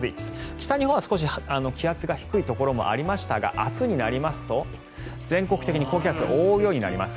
北日本は少し気圧が低いところもありましたが明日になりますと全国的に高気圧が覆うようになります。